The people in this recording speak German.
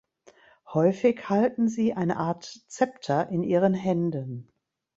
Häufig halten sie eine Art „Zepter“ in ihren Händen.